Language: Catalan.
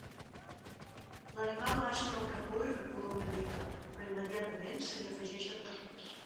L'animal baixa del capó i recula una mica, però immediatament se n'hi afegeixen dos més.